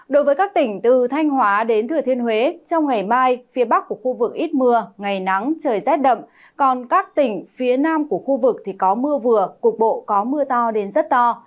đối với các tỉnh từ thanh hóa đến thừa thiên huế trong ngày mai phía bắc của khu vực ít mưa ngày nắng trời rét đậm còn các tỉnh phía nam của khu vực thì có mưa vừa cục bộ có mưa to đến rất to